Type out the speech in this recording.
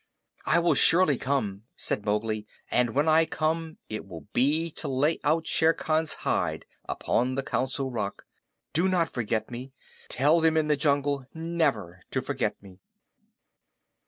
"I will surely come," said Mowgli. "And when I come it will be to lay out Shere Khan's hide upon the Council Rock. Do not forget me! Tell them in the jungle never to forget me!"